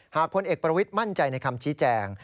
พลเอกประวิทย์มั่นใจในคำชี้แจง